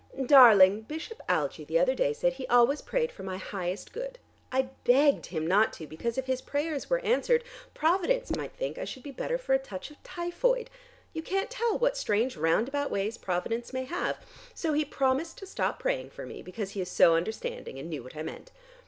Darling, Bishop Algie the other day said he always prayed for my highest good. I begged him not to, because if his prayers were answered, Providence might think I should be better for a touch of typhoid. You can't tell what strange roundabout ways Providence may have. So he promised to stop praying for me, because he is so understanding and knew what I meant.